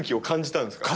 感じた。